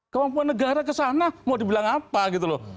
kemampuan negara ke sana mau dibilang apa gitu loh